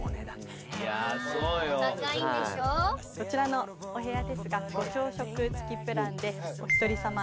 こちらのお部屋ですがご朝食付きプランでお一人さま